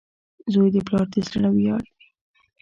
• زوی د پلار د زړۀ ویاړ وي.